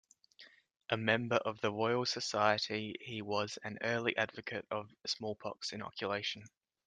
A member of the Royal Society, he was an early advocate of smallpox inoculation.